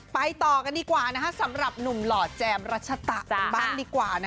ต่อกันดีกว่าสำหรับหนุ่มหล่อแจมรัชตะกันบ้างดีกว่า